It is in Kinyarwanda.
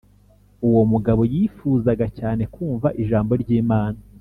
uwo mugabo yifuzaga cyane kumva ijambo ry Imana